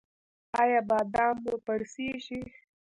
ایا بادام مو پړسیږي؟